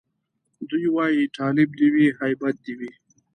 دی وايي تالب دي وي هيبت دي وي